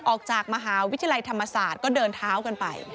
ออกจากมหาวิทยาลัยธรรมศาสตร์ก็เดินเท้ากันไป